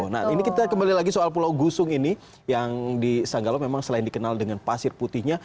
nah ini kita kembali lagi soal pulau gusung ini yang di sanggalo memang selain dikenal dengan pasir putihnya